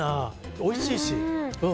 おいしいし。